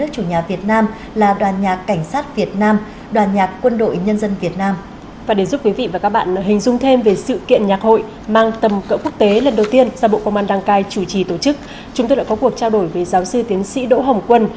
chúng tôi đã có cuộc trao đổi với giáo sư tiến sĩ đỗ hồng quân